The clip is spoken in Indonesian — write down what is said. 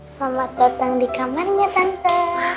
selamat datang di kamarnya tante